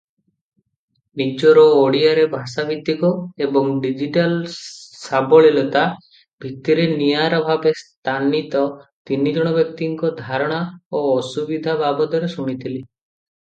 ନିଜର ଓଡ଼ିଆରେ ଭାଷାଭିତ୍ତିକ ଏବଂ ଡିଜିଟାଲ ସାବଲୀଳତା ଭିତ୍ତିରେ ନିଆରା ଭାବେ ସ୍ଥାନୀତ ତିନି ଜଣ ବ୍ୟକ୍ତିଙ୍କ ଧାରଣା ଓ ଅସୁବିଧା ବାବଦରେ ଶୁଣିଥିଲି ।